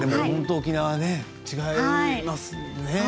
沖縄、全然違いますよね。